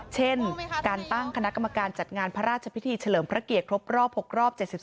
เช่นการตั้งคณะกรรมการจัดงานพระราชพิธีเฉลิมพระเกียรติครบรอบ๖รอบ๗๒